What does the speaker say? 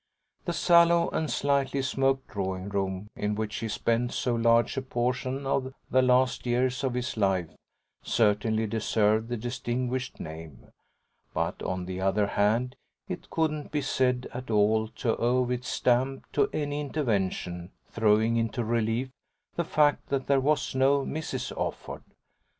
The sallow and slightly smoked drawing room in which he spent so large a portion of the last years of his life certainly deserved the distinguished name; but on the other hand it couldn't be said at all to owe its stamp to any intervention throwing into relief the fact that there was no Mrs. Offord.